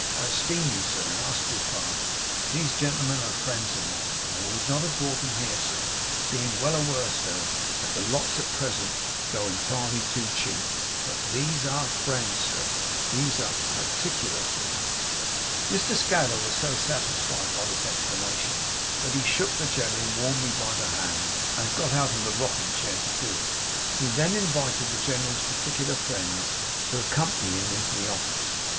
I esteem you, sir, and ask your pardon. These gentlemen air friends of mine, or I would not have brought 'em here, sir, being well aware, sir, that the lots at present go entirely too cheap. But these air friends, sir; these air partick'ler friends.' Mr Scadder was so satisfied by this explanation, that he shook the General warmly by the hand, and got out of the rocking chair to do it. He then invited the General's particular friends to accompany him into the office.